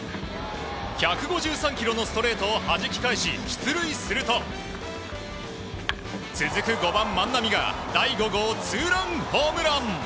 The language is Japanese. １５３キロのストレートをはじき返し出塁すると続く５番、万波が第５号ツーランホームラン。